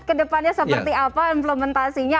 kedepannya seperti apa implementasinya